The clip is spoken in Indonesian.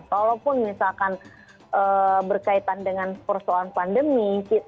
kalaupun misalkan berkaitan dengan persoalan pandemi